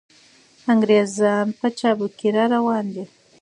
انګریزان په چابکۍ را روان دي.